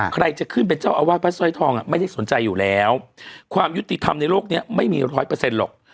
ใครจะขึ้นเป็นเจ้าอาวาสพระสร้อยทองอ่ะไม่ได้สนใจอยู่แล้วความยุติธรรมในโลกนี้ไม่มีร้อยเปอร์เซ็นต์หรอก